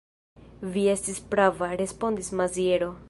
Vi estis prava, respondis Maziero.